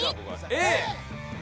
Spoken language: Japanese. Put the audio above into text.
Ａ。